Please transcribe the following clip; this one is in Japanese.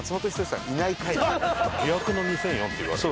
「疑惑の２００４」って言われてる。